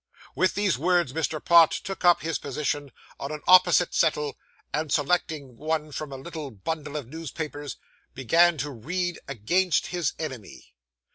With these words, Mr. Pott took up his position on an opposite settle, and selecting one from a little bundle of newspapers, began to read against his enemy.